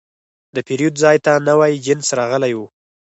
د پیرود ځای ته نوی جنس راغلی و.